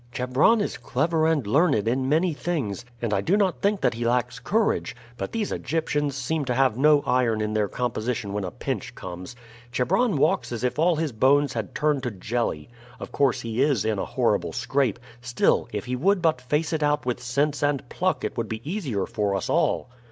"Chebron is clever and learned in many things, and I do not think that he lacks courage; but these Egyptians seem to have no iron in their composition when a pinch comes. Chebron walks as if all his bones had turned to jelly. Of course he is in a horrible scrape; still, if he would but face it out with sense and pluck it would be easier for us all.